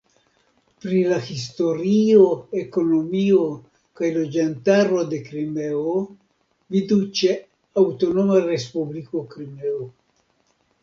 Pri la historio, ekonomio kaj loĝantaro de Krimeo vidu ĉe Aŭtonoma Respubliko Krimeo.